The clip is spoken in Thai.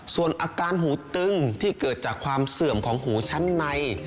ส่วนอาการหูตึงที่เกิดจากความเสื่อมของหูชั้นใน